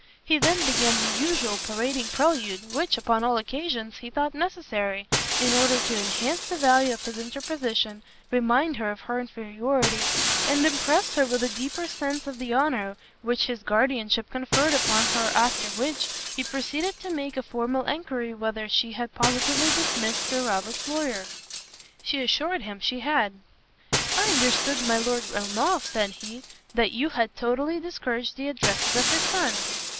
He then began the usual parading prelude, which, upon all occasions, he thought necessary, in order to enhance the value of his interposition, remind her of her inferiority, and impress her with a deeper sense of the honour which his guardianship conferred upon her after which, he proceeded to make a formal enquiry whether she had positively dismissed Sir Robert Floyer? She assured him she had. "I understood my Lord Ernolf," said he, "that you had totally discouraged the addresses of his son?"